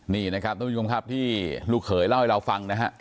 นี่นะครับทุกคนค่ะที่ลูกเขยเล่าให้เราฟังนะฮะ